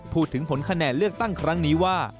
ผลคะแนนเลือกตั้งครั้งนี้ว่า